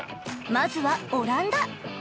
まずはオランダ。